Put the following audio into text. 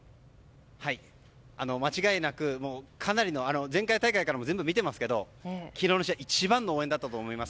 間違いなく前回大会から全部見ていますけど昨日の試合一番の応援だったと思います。